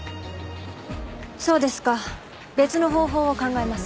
そうですか別の方法を考えます。